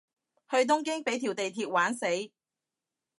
去東京畀條地鐵玩死